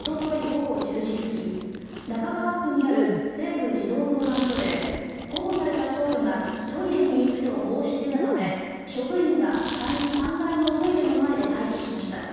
午後１０時過ぎ中川区にある西部児童相談所で保護された少女がトイレに行くと申し出たため職員が３階のトイレの前で待機しました。